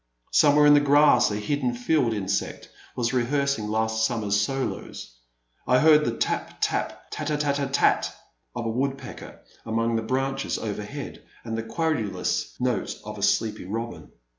Somewhere in the grass a hidden field insect was rehearsing last summer's solos ; I heard the tap ! tap ! tat tat t t tat ! of a woodpecker among the branches overhead and the querulous note of a sleepy robin.